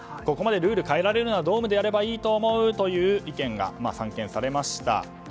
ここまでルールを変えられるならドームでやればいいと思うという意見が散見されました。